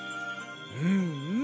うんうん。